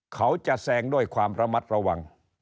เขาจะแซงด้วยความระมัดระวัง